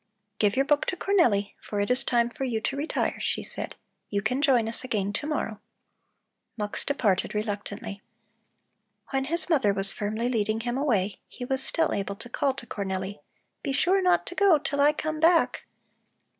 "Give your book to Cornelli, for it is time for you to retire," she said. "You can join us again to morrow." Mux departed reluctantly. When his mother was firmly leading him away, he was still able to call to Cornelli: "Be sure not to go till I come back!"